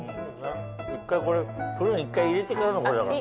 １回これプルーン１回入れてからのこれだから。